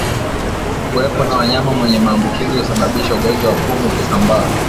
Kuwepo na wanyama wenye maambukizi husababisha ugonjwa wa pumu kusambaa